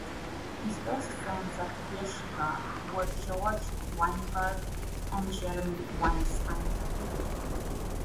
His best friends at Yeshivah were George Weinberg and Jeremy Weinstein.